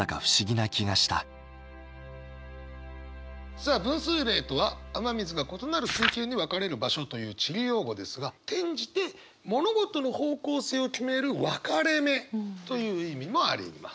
さあ分水嶺とは「雨水が異なる水系に分かれる場所」という地理用語ですが転じて「物事の方向性を決める分かれ目」という意味もあります。